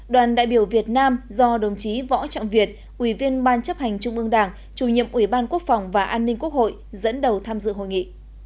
đoàn đại biểu việt nam do đồng chí võ trọng việt ủy viên ban chấp hành trung ương đảng chủ nhiệm ủy ban quốc phòng và an ninh quốc hội dẫn đầu tham dự hội nghị